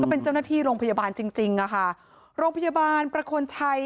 เป็นเจ้าหน้าที่โรงพยาบาลจริงจริงอ่ะค่ะโรงพยาบาลประโคนชัย